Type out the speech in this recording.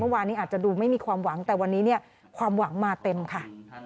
วานนี้อาจจะดูไม่มีความหวังแต่วันนี้เนี่ยความหวังมาเต็มค่ะ